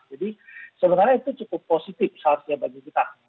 sebenarnya itu cukup positif seharusnya bagi kita